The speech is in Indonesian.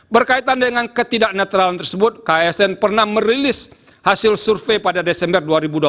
berkaitan dengan ketidak netralan tersebut ksn pernah merilis hasil survei pada desember dua ribu dua puluh